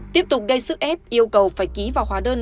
tiếp tục gây sức ép yêu cầu phải ký vào hóa đơn